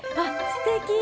すてき。